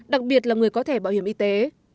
đặc biệt là người có thẻ bảo hiểm y tế